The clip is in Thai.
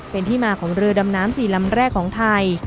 เป็นที่มาของเรือดำน้ำ๔ลำแรกของไทย